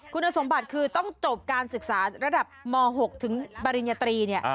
คุณสมบัติคือต้องจบการศึกษาระดับม๖ถึงปริญญาตรี